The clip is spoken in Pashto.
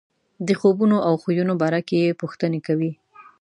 د خوبونو او خویونو باره کې یې پوښتنې کوي.